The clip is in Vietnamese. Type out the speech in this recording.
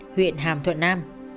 huyện hàm thuận nam